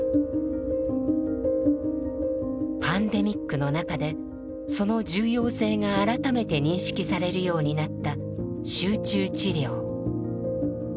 パンデミックの中でその重要性が改めて認識されるようになった集中治療。